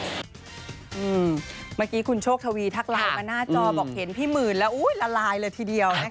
เมื่อกี้คุณโชคทวีทักไลน์มาหน้าจอบอกเห็นพี่หมื่นแล้วละลายเลยทีเดียว